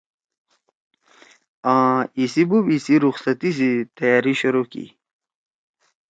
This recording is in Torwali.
آں ایسی بوب ایسی رخصت سی تیاری شروع کی۔